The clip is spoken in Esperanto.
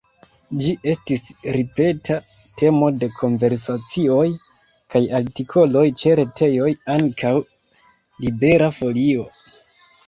Ĝi estis ripeta temo de konversacioj kaj artikoloj ĉe retejoj, ankaŭ Libera Folio.